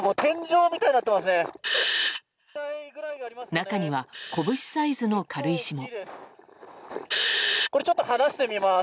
中には、拳サイズの軽石も。